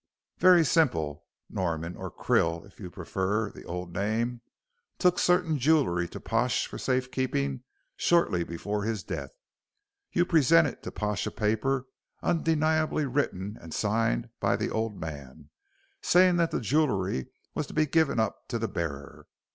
"Very simply. Norman or Krill if you prefer the old name took certain jewellery to Pash for safe keeping shortly before his death. You presented to Pash a paper, undeniably written and signed by the old man, saying that the jewellery was to be given up to bearer.